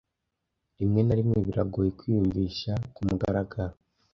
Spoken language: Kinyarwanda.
Rimwe na rimwe biragoye kwiyumvisha kumugaragaro.